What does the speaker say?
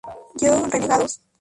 Joe: Renegados.